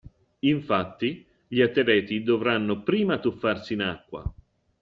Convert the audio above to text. Infatti, gli atleti dovranno prima tuffarsi in acqua.